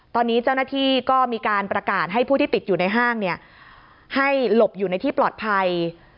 ตอนนี้เจ้าหน้าที่ก็มีการประกาศให้ผู้ที่ติดอยู่ในห้างให้หลบอยู่ในที่ปลอดภัย